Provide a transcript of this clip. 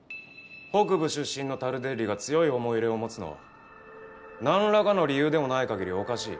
北部出身のタルデッリが強い思い入れを持つのは何らかの理由でもないかぎりおかしい。